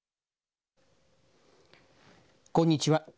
こんにちは。